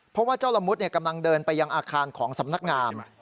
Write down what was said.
เพราะว่าเจ้าละมุดกำลังเดินไปยังอาคารของสำนักงาม